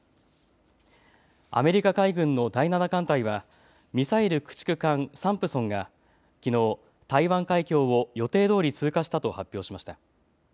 アメリカ海軍の第７艦隊はミサイル駆逐艦、サンプソンがきのう台湾海峡を予定どおり通過したと発表しました。